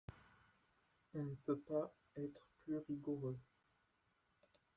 On ne peut pas être plus rigoureux